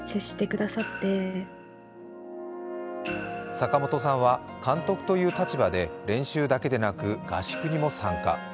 坂本さんは監督という立場で練習だけでなく合宿にも参加。